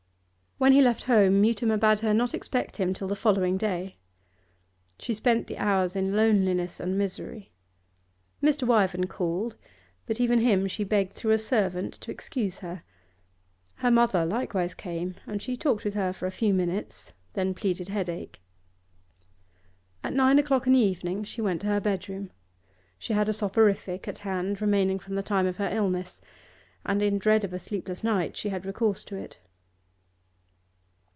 When he left home Mutimer bade her not expect him till the following day. She spent the hours in loneliness and misery. Mr. Wyvern called, but even him she begged through a servant to excuse her; her mother likewise came, and her she talked with for a few minutes, then pleaded headache. At nine o'clock in the evening she went to her bedroom. She had a soporific at hand, remaining from the time of her illness, and in dread of a sleepless night she had recourse to it.